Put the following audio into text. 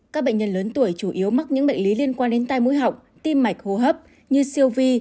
các bệnh nhân lớn tuổi chủ yếu mắc những bệnh lý liên quan đến tai mũi họng tim mạch hô hấp như siêu vi